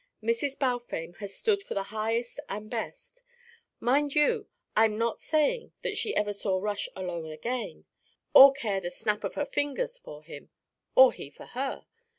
Mrs. Balfame has stood for the highest and best. Mind you, I'm not saying that she ever saw Rush alone again, or cared a snap of her finger for him or he for her.